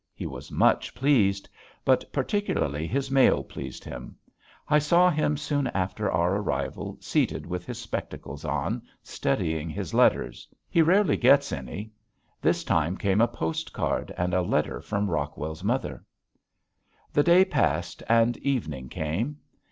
He was much pleased. But particularly his mail pleased him. I saw him soon after our arrival seated with his spectacles on studying his letters. He rarely gets any. This time came a post card and letter from Rockwell's mother. The day passed and evening came.